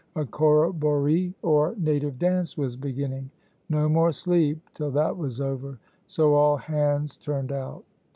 A corroboree or native dance was beginning. No more sleep till that was over so all hands turned out.